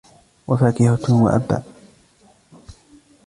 وَفَاكِهَةً وَأَبًّا